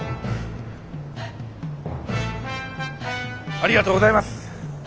ありがとうございます！